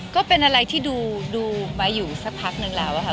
ก็เป็นอะไรที่ดูมาอยู่สักพักนึงแล้วค่ะ